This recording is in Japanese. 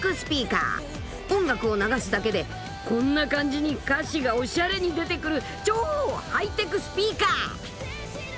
［音楽を流すだけでこんな感じに歌詞がおしゃれに出てくる超ハイテクスピーカー］